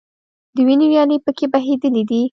د وینو ویالې په کې بهیدلي دي.